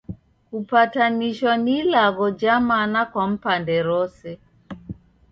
Kupatanishwa ni ilagho ja mana kwa mpande rose.